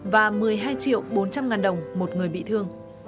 và một mươi hai triệu bốn trăm linh ngàn đồng một người bị thương